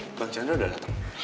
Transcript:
eh bang chandra udah dateng